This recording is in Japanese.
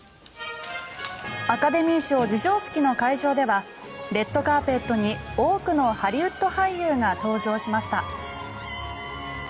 アカデミー賞授賞式の会場ではレッドカーペットに多くのハリウッド俳優が登場しました。